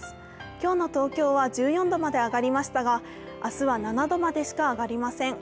今日の東京は１４度まで上がりましたが、明日は７度までしか上がりません。